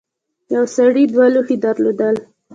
یو سړي دوه لوښي درلودل.